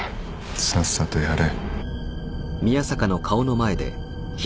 さっさとやれ。